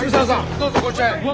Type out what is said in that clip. どうぞこちらへ。